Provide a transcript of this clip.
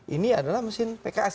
ini adalah mesin pks